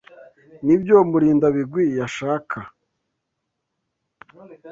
Nibyo Murindabigwi yashaka?